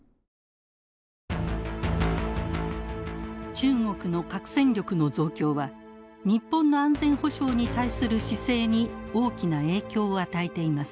中国の核戦力の増強は日本の安全保障に対する姿勢に大きな影響を与えています。